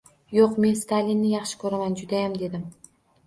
— Yo’q, men Stalinni yaxshi ko’raman, judayam… – dedim